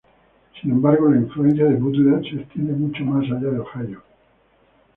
Sin embargo, la influencia de Butler se extendió mucho más allá de Ohio.